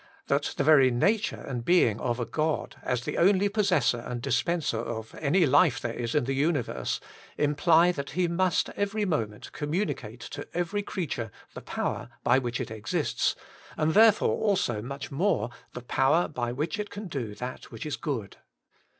That the very Nature and Being of a God, as the only Possessor and Dispenser of any life there is in the universe, imply that He must every moment communicate to every creature the power by which it exists, and therefore also much more the power by which it can do that which is good.